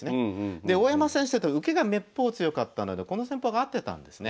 で大山先生って受けがめっぽう強かったのでこの戦法が合ってたんですね。